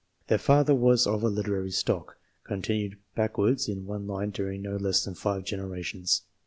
Their father was of a literary stock, con tinued backwards in one line during no less than five generations.